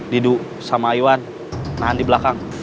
didu sama iwan nahan di belakang